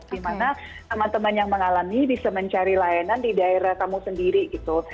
dimana teman teman yang mengalami bisa mencari layanan di daerah kamu sendiri gitu